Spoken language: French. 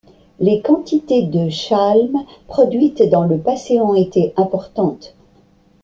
Les quantités de schlamm produites dans le passé ont été importantes.